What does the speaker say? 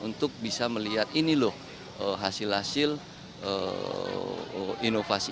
untuk bisa melihat ini loh hasil hasil inovasi